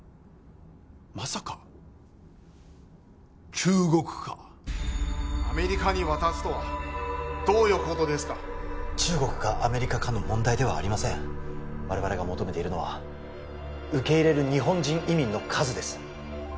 まさか中国かアメリカに渡すとはどういうことですか中国かアメリカかの問題ではありません我々が求めているのは受け入れる日本人移民の数です